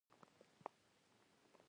بیا سفر کوئ؟